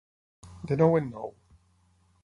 De nou en nou.